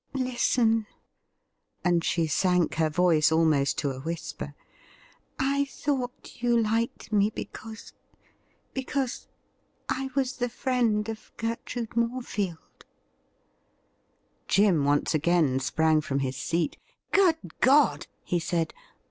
Listen' — and she sank her voice almost to a whisper — 'I thought you liked me because — ^because — I was the friend of Gertrude Morefield !' 'I COULD HAVE LOVED YOU' 105 Jim once again sprang from his seat. 'Good God !' he said.